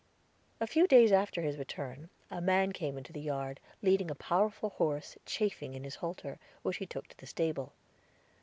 A few days after his return, a man came into the yard, leading a powerful horse chafing in his halter, which he took to the stable.